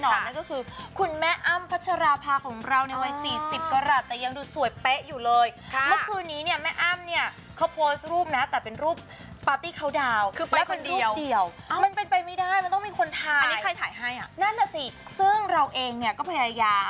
นั่นก็คือคุณแม่อ้ำพัชราภาของเราในวัยสี่สิบกราศแต่ยังดูสวยเป๊ะอยู่เลยค่ะเมื่อคืนนี้เนี่ยแม่อ้ำเนี่ย